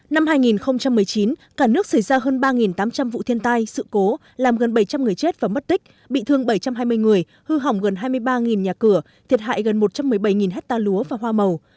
năm hai nghìn một mươi chín cả nước xảy ra hơn ba tám trăm linh vụ thiên tai sự cố làm gần bảy trăm linh người chết và mất tích bị thương bảy trăm hai mươi người hư hỏng gần hai mươi ba nhà cửa thiệt hại gần một trăm một mươi bảy hecta lúa và hoa màu